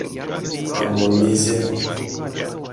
А мон мезе?